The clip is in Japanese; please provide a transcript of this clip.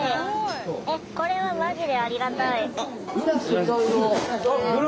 これはマジでありがたい。